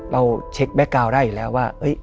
เราเช็คแบ็คกาวน์ได้อยู่แล้วว่า